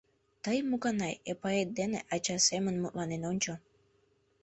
Тый, Муканай, Эпает дене ача семын мутланен ончо.